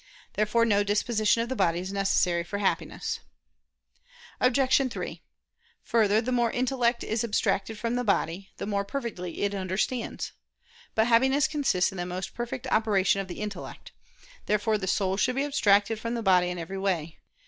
Therefore no disposition of the body is necessary for Happiness. Obj. 3: Further, the more the intellect is abstracted from the body, the more perfectly it understands. But Happiness consists in the most perfect operation of the intellect. Therefore the soul should be abstracted from the body in every way.